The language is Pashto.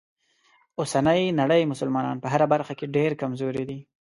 اوسنۍ نړۍ مسلمانان په هره برخه کې ډیره کمزوری دي.